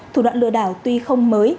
thủ đoạn lừa đảo tuy không mới